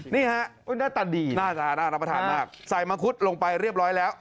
นี่ฮะน่าทานดีน่าทานน่าทานน่าทานมากใส่มังคุดลงไปเรียบร้อยแล้ว